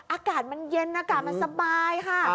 อากาศมันเย็นอากาศมันสบายค่ะ